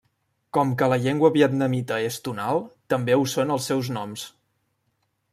Com que la llengua vietnamita és tonal, també ho són els seus noms.